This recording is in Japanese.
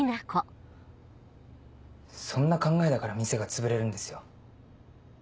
そんな考えだから店がつぶれるんですよ。